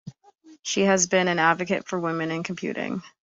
She has been an advocate for women in computing.